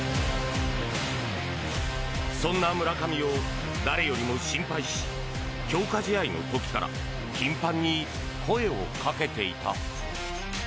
そんな村上を誰よりも心配し強化試合の時から頻繁に声をかけていた。